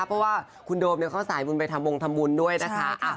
เพราะว่าคุณโดมเขาสายบุญไปทำวงทำบุญด้วยนะคะ